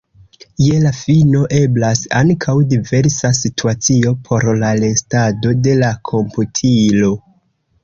Je la fino eblas ankaŭ diversa situacio por la restado de la komputilo.